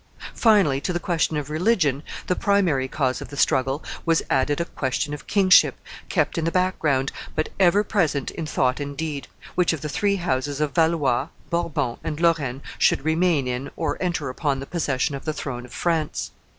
Finally, to the question of religion, the primary cause of the struggle, was added a question of kingship, kept in the background, but ever present in thought and deed: which of the three houses of Valois, Bourbon, and Lorraine should remain in or enter upon possession of the throne of France.